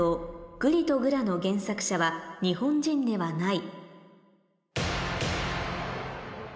「『ぐりとぐら』の原作者は日本人ではない」